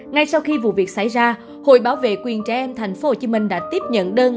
ngay sau khi vụ việc xảy ra hội bảo vệ quyền trẻ em tp hcm đã tiếp nhận đơn